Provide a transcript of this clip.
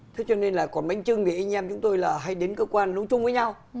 thế cho nên là quả bánh trưng thì anh em chúng tôi là hay đến cơ quan lũ chung với nhau